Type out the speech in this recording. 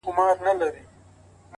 گراني اتيا زره صفاته دې په خال کي سته